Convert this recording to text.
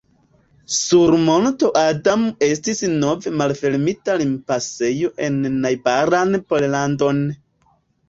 Sur monto Adam estis nove malfermita limpasejo en najbaran Pollandon.